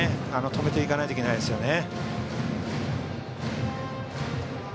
止めていかないといけないですね。